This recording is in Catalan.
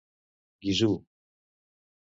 Guizhou.